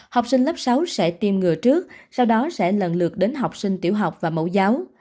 học sinh lớp sáu sẽ tiêm ngừa trước sau đó sẽ lần lượt đến học sinh tiểu học và mẫu giáo